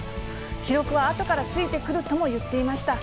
記録は後からついてくるとも言っていました。